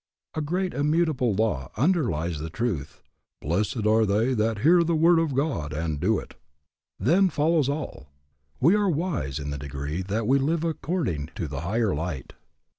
A great immutable law underlies the truth, Blessed are they that hear the word of God and do it. Then follows all. We are wise in the degree that we live according to the higher light.